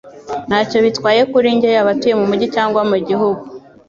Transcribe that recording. Ntacyo bitwaye kuri njye yaba atuye mumujyi cyangwa mugihugu.